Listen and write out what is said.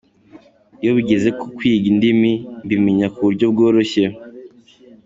Iyo bigeze ku kwiga indimi mbimenya ku buryo bworoshye.